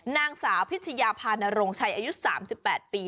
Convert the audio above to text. นางสาวพิชยาพานโรงชัยอายุ๓๘ปี